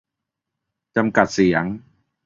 -จำกัดเสียง